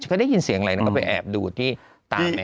ก็ได้ยินเสียงอะไรนะก็ไปแอบดูที่ตาแม่